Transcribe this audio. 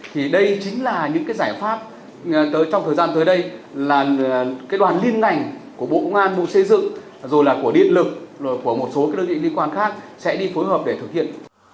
thì đây chính là những cái giải pháp trong thời gian tới đây là cái đoàn liên ngành của bộ ngán bộ xây dựng rồi là của điện lực rồi của một số cái đơn vị liên quan khác sẽ đi phối hợp để thực hiện